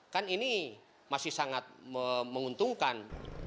kan ini masih sangat menguntungkan